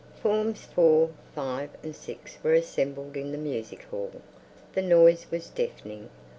Forms Four, Five, and Six were assembled in the music hall. The noise was deafening.